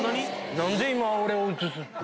何で今俺を映す？